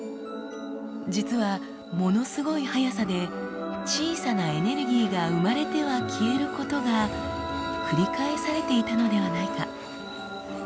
実はものすごい速さで小さなエネルギーが生まれては消えることが繰り返されていたのではないか？